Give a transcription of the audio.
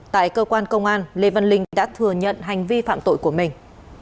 tại cơ quan công an lê văn linh đã thừa nhận hành vi phạm tội của mình